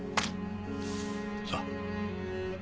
さあ。